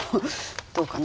どうかな？